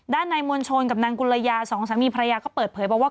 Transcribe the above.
ในมวลชนกับนางกุลยาสองสามีภรรยาก็เปิดเผยบอกว่า